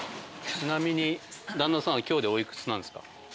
ちなみに旦那さんは今日でお幾つなんですか？